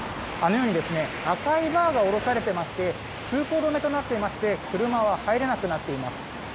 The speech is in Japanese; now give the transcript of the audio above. あのように赤いバーが下ろされていまして通行止めとなっていまして車は入れなくなっています。